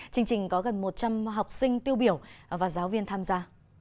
chương trình có gần một trăm linh học sinh tiêu biểu và giáo viên tham gia